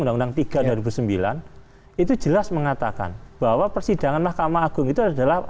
undang undang tiga dua ribu sembilan itu jelas mengatakan bahwa persidangan mahkamah agung itu adalah